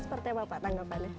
sepertinya bapak tanggapannya